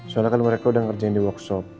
soalnya kan mereka udah ngerjain di workshop